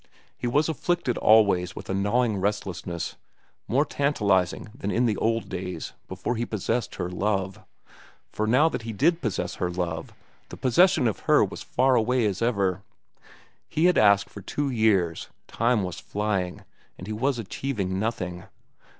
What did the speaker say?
He was afflicted always with a gnawing restlessness, more tantalizing than in the old days before he possessed her love; for now that he did possess her love, the possession of her was far away as ever. He had asked for two years; time was flying, and he was achieving nothing.